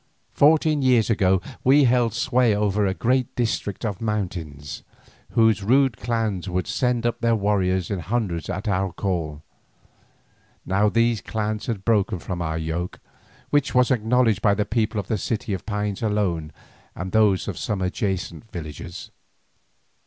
Fourteen years ago we held sway over a great district of mountains, whose rude clans would send up their warriors in hundreds at our call. Now these clans had broken from our yoke, which was acknowledged by the people of the City of Pines alone and those of some adjacent villages.